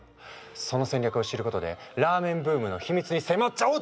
その戦略を知ることでラーメンブームの秘密に迫っちゃおう